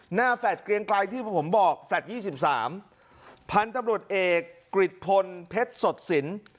หน้าแฟลดเกลียงไกลที่ผมบอกแฟลดยี่สิบสามพันธุ์ตำรวจเอกกริจพลเพชรสดสิน